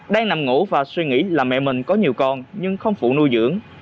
đang nằm ngủ và suy nghĩ là mẹ mình có nhiều con nhưng không phụ nuôi dưỡng